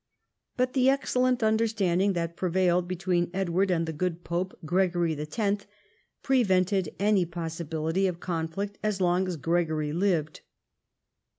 But the excellent understanding that prevailed betAveen Edward and the good pope Gregory X. prevented any possibility of conflict as long as Gregory lived.